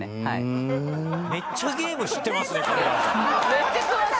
めっちゃ詳しい。